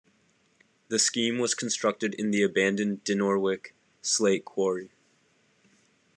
The scheme was constructed in the abandoned Dinorwic slate quarry.